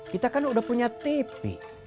kita kan udah punya tv